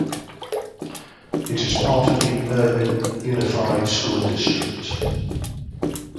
It is part of the Irvine Unified School District.